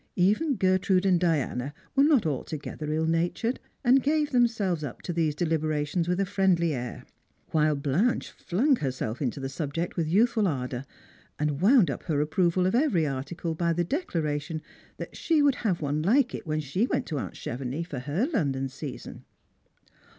Even Gertrude and Diana were not alto gether ill natured, acd gave themselves up to these deliberations with a friendly air ; while Blanche Hung herself into the subject with youthful ardour, and wound up her approval of every article by the declaration that she would have one like it when she went to aunt Chevenix for her London season.